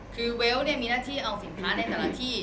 คือเวลต์มีหน้าที่เอาสินค้าในแต่ละที่